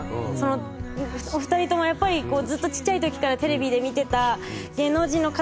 お二人ともやっぱりこうずっとちっちゃい時からテレビで見てた芸能人の方。